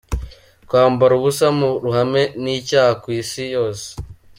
Kwambara ubusa mu ruhame, ni icyaha ku isi yose.